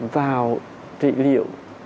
vào trị liệu